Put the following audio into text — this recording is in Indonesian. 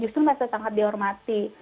justru merasa sangat dihormati